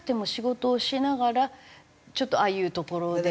仕事をしながらちょっとああいう所で。